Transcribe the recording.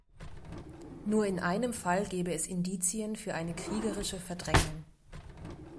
Nur in einem Fall gebe es Indizien für eine kriegerische Verdrängung.